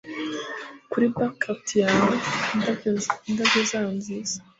Kuri bouquet yawe indabyo zayo nziza